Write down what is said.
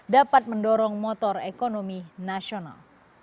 dapat mendorong motor ekonomi nasional